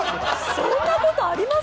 そんなことあります？